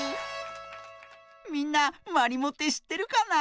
みんなまりもってしってるかな？